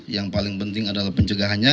yang paling penting adalah pencegahannya